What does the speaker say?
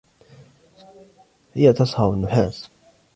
هي تصهّر النحاس.